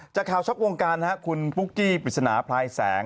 จากข่าวช็อกวงการคุณปุ๊กกี้ปริศนาพลายแสง